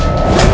aku sudah menang